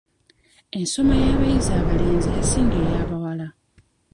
Ensoma y'abayizi abalenzi yasinga ey'abawala.